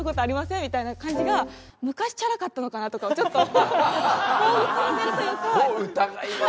みたいな感じが昔チャラかったのかな？とかをちょっと彷彿させるというか。